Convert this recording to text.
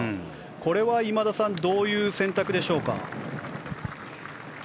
これは今田さんどういう選択でしょうか？